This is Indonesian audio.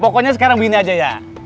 pokoknya sekarang begini aja ya